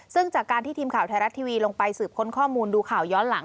ซึ่งจากการที่ทีมข่าวไทยรัฐทีวีลงไปสืบค้นข้อมูลดูข่าวย้อนหลัง